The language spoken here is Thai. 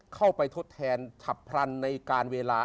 เข้าไปทดแทนทับพลันในการเวลา